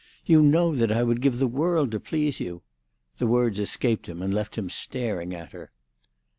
"You know that I would give the world to please you——" The words escaped him and left him staring at her.